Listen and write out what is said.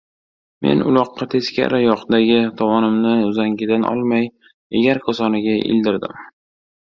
Men uloqqa teskari yoqdagi tovonimni uzangidan olmay, egar korsoniga ildirdim.